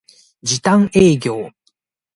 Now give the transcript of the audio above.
時短営業